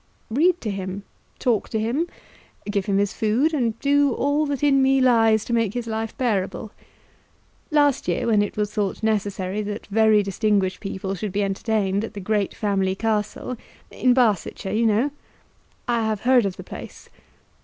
"Read to him; talk to him; give him his food, and do all that in me lies to make his life bearable. Last year, when it was thought necessary that very distinguished people should be entertained at the great family castle, in Barsetshire, you know " "I have heard of the place."